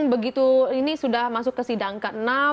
begitu ini sudah masuk ke sidang ke enam